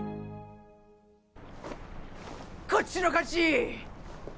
こっちの勝ち。